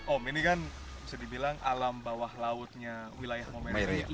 om ini kan bisa dibilang alam bawah lautnya wilayah om merahnya